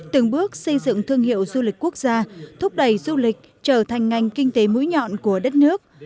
từng bước xây dựng thương hiệu du lịch quốc gia thúc đẩy du lịch trở thành ngành kinh tế mũi nhọn của đất nước